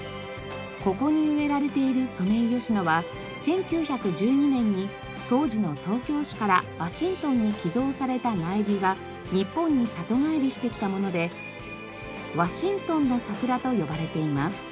ここに植えられているソメイヨシノは１９１２年に当時の東京市からワシントンに寄贈された苗木が日本に里帰りしてきたもので「ワシントンの桜」と呼ばれています。